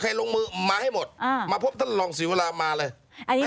ใครลงมือมาให้หมดอ่ามาพบท่านรองสิวรามาเลยอันนี้